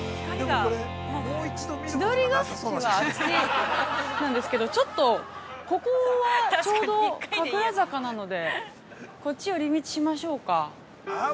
◆千鳥ヶ淵はあっちなんですけどちょっと、ここはちょうど神楽坂なので、こっち、寄り道しましょうか。